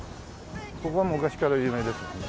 ここは昔から有名ですよね。